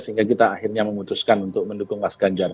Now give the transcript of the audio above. sehingga kita akhirnya memutuskan untuk mendukung mas ganjar